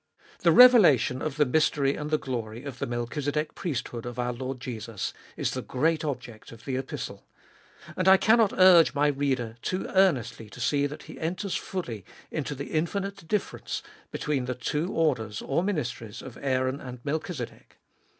The revelation of the mystery and the glory of the Melchize dek priesthood of our Lord Jesus is the great object of the Epistle. And I cannot urge my reader too earnestly to see that he enters fully into the infinite difference between the two orders or ministries of Aaron and Melchizedek.